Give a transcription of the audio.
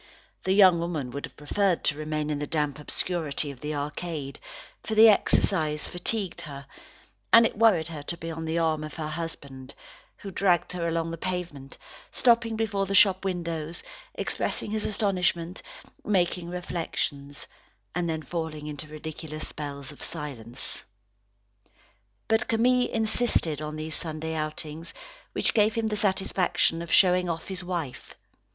The young woman would have preferred to remain in the damp obscurity of the arcade, for the exercise fatigued her, and it worried her to be on the arm of her husband, who dragged her along the pavement, stopping before the shop windows, expressing his astonishment, making reflections, and then falling into ridiculous spells of silence. But Camille insisted on these Sunday outings, which gave him the satisfaction of showing off his wife.